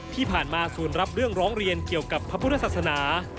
ที่ผ่านมาศูนย์รับเรื่องร้องเรียนเกี่ยวกับพระพุทธศาสนา